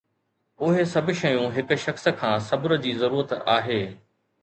اهي سڀ شيون هڪ شخص کان صبر جي ضرورت آهي